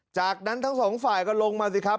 จากนั้นทั้งสองฝ่ายก็ลงมาสิครับ